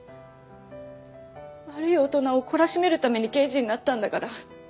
悪い大人を懲らしめるために刑事になったんだから。